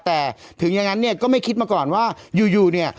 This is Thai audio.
แต่ถึงอย่างนั้นเนี่ยก็ไม่คิดมาก่อนว่าอยู่เนี่ย